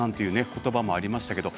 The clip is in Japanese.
言葉もありましたけど。